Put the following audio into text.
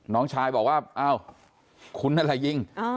น้องชายบอกว่าอ้าวคุณนั่นแหละยิง